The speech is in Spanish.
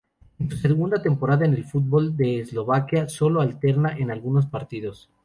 En su segunda temporada en el fútbol de Eslovaquia solo alterna en algunos partidos.